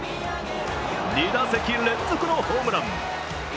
２打席連続のホームラン。